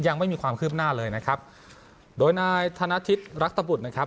ยังไม่มีความคืบหน้าเลยนะครับโดยนายธนทิศรัตบุตรนะครับ